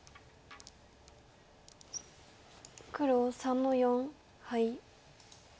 黒３の四ハイ。